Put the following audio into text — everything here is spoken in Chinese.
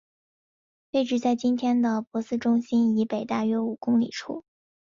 位置在今天的珀斯中心以北大约五公里处。